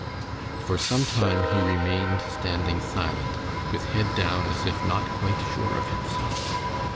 For some time he remained standing silent, with head down as if not quite sure of himself.